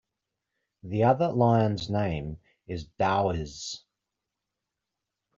The other lion's name is Daoiz.